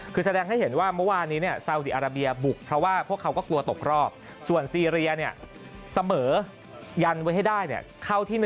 คือแสดงให้เห็นว่าเมื่อวานนี้